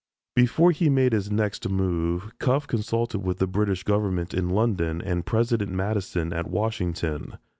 Before he made his next move, Cuffe consulted with the British Government in London and President Madison at Washington.